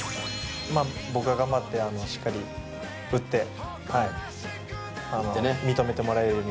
まあ僕が頑張ってしっかり売って認めてもらえるように頑張ります